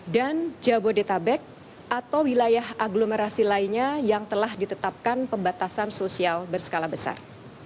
dan jabodetabek atau wilayah aglomerasi lainnya yang telah ditetapkan pembatasan sosial berskala besar